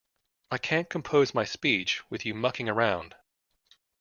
I can't compose my speech with you mucking around.